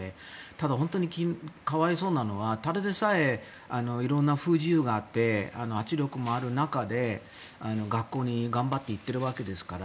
ただ、本当に可哀想なのはただでさえ色んな不自由があって圧力もある中で、学校に頑張って行っているわけですから。